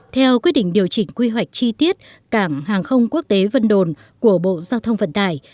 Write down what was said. theo quyết định điều chỉnh quy hoạch chi tiết cảng hàng không quốc tế vân đồn của bộ giao thông vận tải